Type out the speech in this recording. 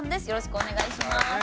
よろしくお願いします。